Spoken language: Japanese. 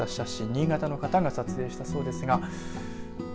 新潟の方が撮影したそうですが。